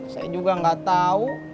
saya juga gak tahu